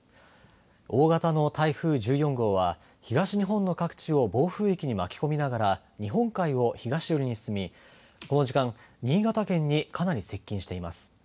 大型の台風１４号は東日本の各地を暴風域に巻き込みながら日本海を東寄りに進みこの時間、新潟県にかなり接近しています。